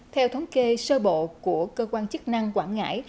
theo thống kê sơ bộ của cơ quan chức năng quảng ngãi